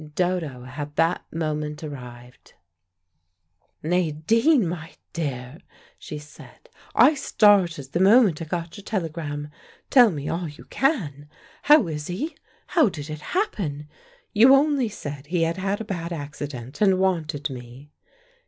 Dodo had that moment arrived. "Nadine, my dear," she said, "I started the moment I got your telegram. Tell me all you can. How is he? How did it happen? You only said he had had a bad accident, and wanted me."